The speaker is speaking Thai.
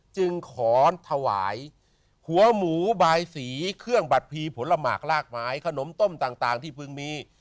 จึงขอถวายหัวหมูบายสีเครื่องบัตรพีผลหมากลากไม้ขนมต้มต่างที่เพิ่งมี